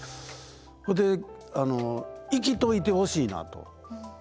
ほいで生きといてほしいなと。